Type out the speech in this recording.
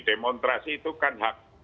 demonstrasi itu kan